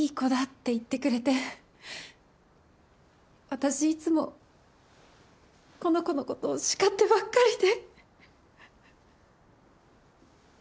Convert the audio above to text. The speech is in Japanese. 私いつもこの子の事を叱ってばっかりで！